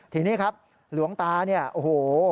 ทีนี้ครับหลวงตาเนี่ยโอ้โห